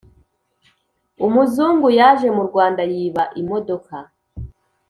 Umuzungu yaje mu Rwanda yiba imodoka